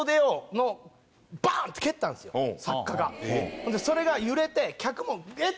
ほんでそれが揺れて客も「えっ？」